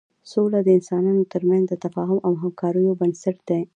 سوله د انسانانو تر منځ د تفاهم او همکاریو بنسټ دی.